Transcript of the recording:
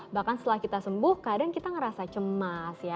bahkan setelah kita sembuh kadang kita ngerasa cemas ya